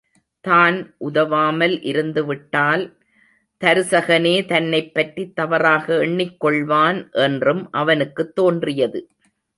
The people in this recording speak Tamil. தான் உதவாமல் இருந்துவிட்டால், தருசகனே தன்னைப் பற்றித் தவறாக எண்ணிக் கொள்வான் என்றும் அவனுக்குத் தோன்றியது.